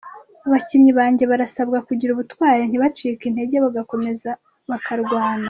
Abakinnyi banjye barasabwa kugira ubutwari, ntibacike intege, bagakomeza bakarwana.